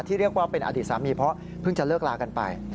เรียกว่าเป็นอดีตสามีเพราะเพิ่งจะเลิกลากันไป